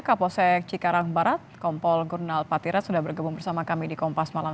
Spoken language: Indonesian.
kapolsek cikarang barat kompol gurnal patira sudah bergabung bersama kami di kompas malam